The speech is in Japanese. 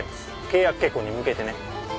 契約結婚に向けてね。